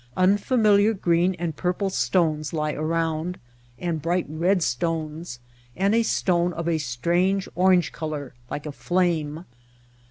Unfa miliar green and purple stones lie around, and bright red stones, and a stone of a strange orange color like flame.